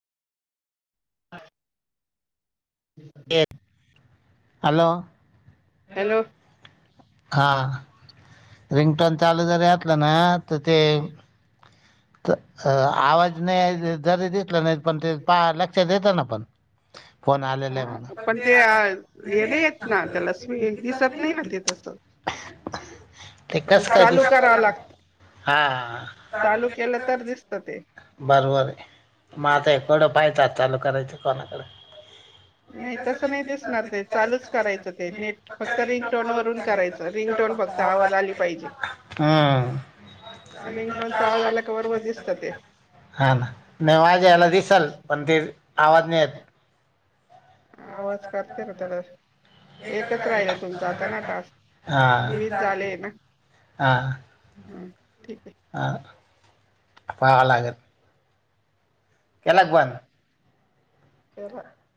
[unintelligible] Yes, hello! Hello हा ringtone चालू जरी असलं ना तर ते आवाज नाही जरी दिसला नाही, पण ते पा लक्षात येत ना पण. फोन आलेला आहे हा, मला. पण ते आ, हे नाही येत ना त्याला स्वी दिसत नाही ना ते तसं [unintelligible] ते कस काय दिस चालू करावं लागत हा. चालू केलं तर दिसत ते बरोबर आहे, मग आता केवडं पाहिजेत चालू करायचं कोणाकडं. नाही तसं नाही दिसणार ते, चालूच करायचं ते नेट फक्त रिंग टोन वरुन करायचं रिंग टोन फक्त आवाज आली पाहिजे. हम्म. रिंगटोनचा आवाज आला का बरोबर दिसतं‌ ते. हा ना, नाही माझ्या ह्याला दिसल, पण ते आवाज नाही येत. आवाज करते ना [unintelligible] एकच राहिल तुमचा आता ना टास्क हा हा. हा ठीक आ पाहावा लागल. केला क बंद? आहे [unintelligible]